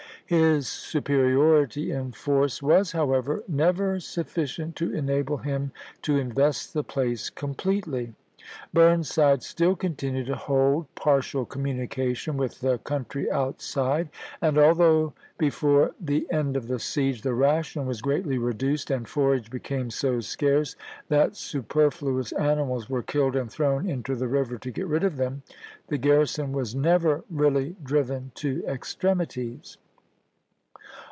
His superiority in force was, however, never sufficient to enable him to invest the place completely. Burnside still continued to hold par tial communication with the country outside, and although before the end of the siege the ration was greatly reduced, and forage became so scarce that superfluous animals were killed and thrown into the river to get rid of them, the garrison was never really driven to extremities.